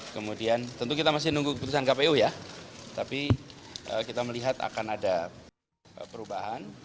kemudian tentu kita masih nunggu keputusan kpu ya tapi kita melihat akan ada perubahan